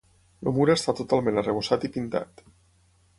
El mur està totalment arrebossat i pintat.